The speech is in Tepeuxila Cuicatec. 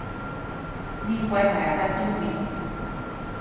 Nikua naka tumi.